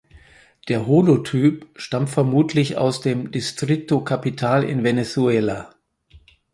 Der Holotyp stammt vermutlich aus dem Distrito Capital in Venezuela.